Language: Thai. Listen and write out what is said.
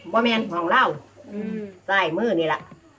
บ่มีนห่องเหล้าอืมใส่มื้อนี่แหละ